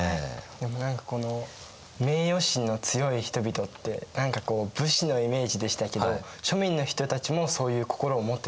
でも何かこの名誉心の強い人々って何かこう武士のイメージでしたけど庶民の人たちもそういう心を持ってたんですね。